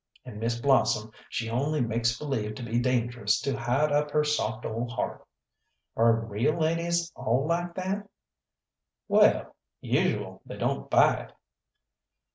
And Miss Blossom, she only makes believe to be dangerous to hide up her soft ole heart. Are real ladies all like that?" "Well, usual they don't bite."